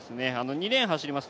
２レーン走ります